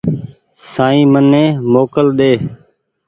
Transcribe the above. سائين مني موڪل ۮي